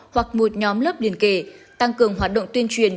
hoặc một nhóm lớp liền kề tăng cường hoạt động tuyên truyền